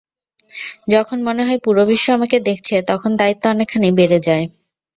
যখন মনে হয়, পুরো বিশ্ব আমাকে দেখছে, তখন দায়িত্ব অনেকখানি বেড়ে যায়।